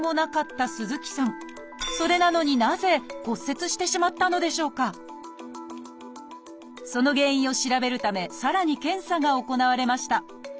それなのにその原因を調べるためさらに検査が行われました。